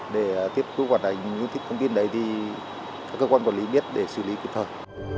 để tiếp tục hoạt hành những cái thông tin đấy thì các cơ quan quản lý biết để xử lý kịp thời